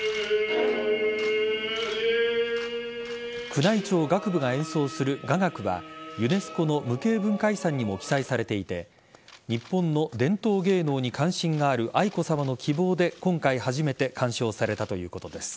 宮内庁楽部が演奏する雅楽はユネスコの無形文化遺産にも記載されていて日本の伝統芸能に関心がある愛子さまの希望で今回初めて鑑賞されたということです。